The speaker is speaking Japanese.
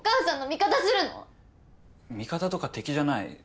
味方とか敵じゃない。